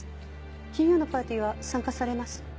金曜のパーティーは参加されます？